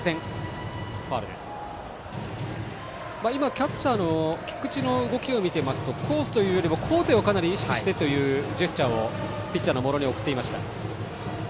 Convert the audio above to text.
キャッチャーの菊池の動きを見ていますとコースというよりも高低をかなり意識してというジェスチャーをピッチャーの茂呂に送りました。